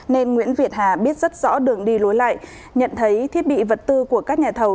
nên nguyễn việt hà biết rất rõ đường đi lối lại nhận thấy thiết bị vật tư của các nhà thầu